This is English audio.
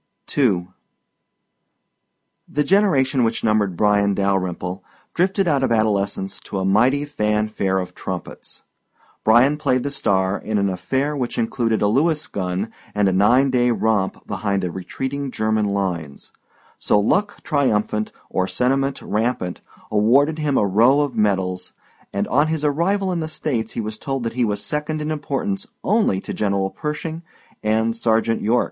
II The generation which numbered Bryan Dalyrimple drifted out of adolescence to a mighty fan fare of trumpets. Bryan played the star in an affair which included a Lewis gun and a nine day romp behind the retreating German lines, so luck triumphant or sentiment rampant awarded him a row of medals and on his arrival in the States he was told that he was second in importance only to General Pershing and Sergeant York.